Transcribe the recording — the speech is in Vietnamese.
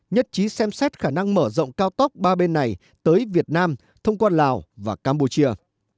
nhất trí xem xét khả năng mở rộng cao tốc ba bên này tới việt nam thông qua lào và campuchia